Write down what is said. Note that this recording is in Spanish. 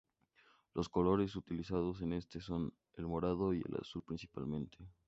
Los colores utilizado en este son el morado y el azul principalmente.